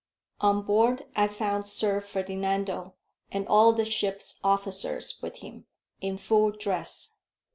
On board I found Sir Ferdinando, and all the ship's officers with him, in full dress.